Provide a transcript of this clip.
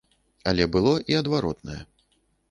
Але было і адваротнае.